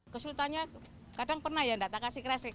kesulitannya kadang pernah ya data kasih kresek